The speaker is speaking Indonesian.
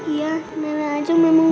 iya nenek ajeng memang